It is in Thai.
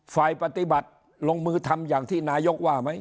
ฝ่ายปฏิบัติลงมือทำอย่างที่นายกว่าไหม